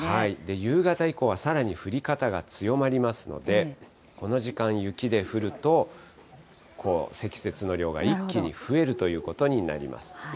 夕方以降はさらに降り方が強まりますので、この時間、雪で降ると、積雪の量が一気に増えるということになります。